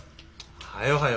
はよはよ